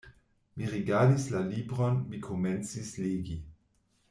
Mi rigardis la libron, mi komencis legi.